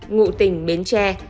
ngụ tỉnh bến tre